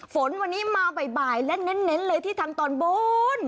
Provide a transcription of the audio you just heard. ฝนวันนี้มาบ่ายและเน้นเลยที่ทางตอนบน